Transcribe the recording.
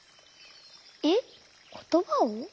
えっことばを？